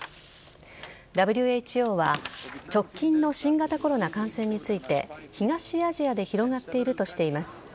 ＷＨＯは直近の新型コロナ感染について東アジアで広がっているとしています。